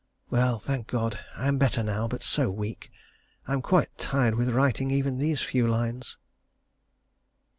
Well, thank God! I am better now, but so weak. I am quite tired with writing even these few lines....